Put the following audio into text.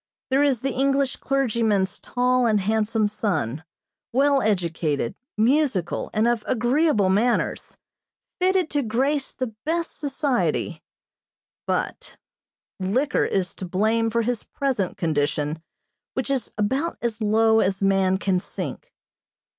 There is the English clergyman's tall and handsome son, well educated, musical and of agreeable manners fitted to grace the best society, but liquor is to blame for his present condition, which is about as low as man can sink.